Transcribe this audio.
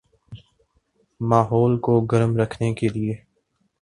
ماحول کو گرم رکھنے کے لئے